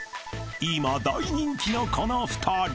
［今大人気のこの２人］